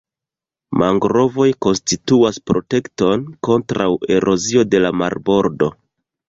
Mangrovoj konstituas protekton kontraŭ erozio de la marbordo.